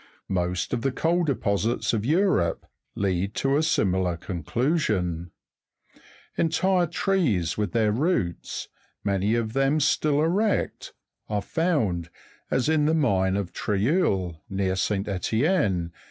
Most of the coal deposits of Europe lead to a similar conclusion. Entire trees with their roots, many of them still erect, are found, as in the mine of Treuil, near St. Etienne (Jig.